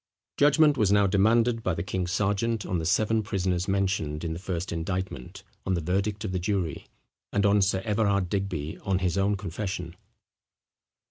Judgment was now demanded by the king's sergeant on the seven prisoners mentioned in the first indictment, on the verdict of the jury; and on Sir Everard Digby, on his own confession.